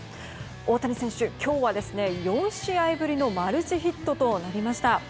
大谷選手、今日は４試合ぶりのマルチヒットとなりました。